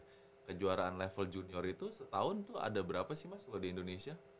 nah kejuaraan level junior itu setahun tuh ada berapa sih mas kalau di indonesia